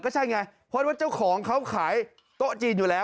ก็ใช่ไงเพราะว่าเจ้าของเขาขายโต๊ะจีนอยู่แล้ว